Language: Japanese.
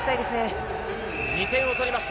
２点を取りました。